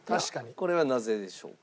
これはなぜでしょうか？